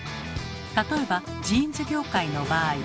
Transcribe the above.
例えばジーンズ業界の場合。